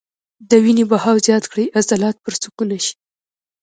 د وينې بهاو زيات کړي عضلات پرسکونه شي -